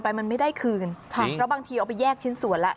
ไปมันไม่ได้คืนค่ะเพราะบางทีเอาไปแยกชิ้นส่วนแล้ว